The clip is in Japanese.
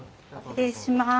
失礼します。